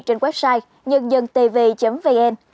trên website nhân dân tv vn